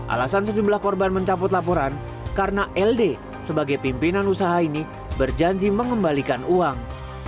alasan sejumlah korban mencabut laporan karena ld sebagai pimpinan usaha ini berjanji mengembalikan uang